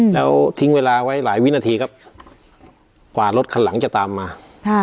แล้วทิ้งเวลาไว้หลายวินาทีครับกว่ารถคันหลังจะตามมาค่ะ